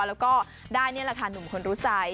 แล้วก็ได้ราคาหนุ่มคนรู้ใจ